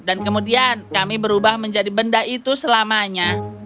dan kemudian kami berubah menjadi benda itu selamanya